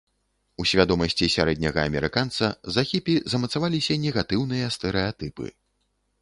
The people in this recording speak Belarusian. У свядомасці сярэдняга амерыканца за хіпі замацаваліся негатыўныя стэрэатыпы.